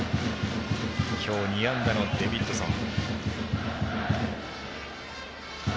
今日２安打のデビッドソン。